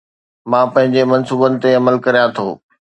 مان پنهنجي منصوبن تي عمل ڪريان ٿو